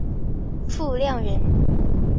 傅亮人。